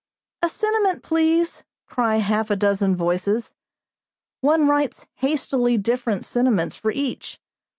"A sentiment, please," cry half a dozen voices. One writes hastily different sentiments for each.